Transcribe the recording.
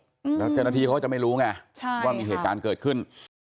แล้วก็เพียงนาทีเขาจะไม่รู้ไงว่ามีเหตุการณ์เกิดขึ้น